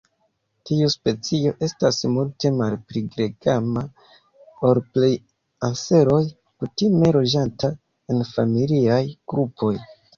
Tiu specio estas multe malpli gregema ol plej anseroj, kutime loĝanta en familiaj grupoj.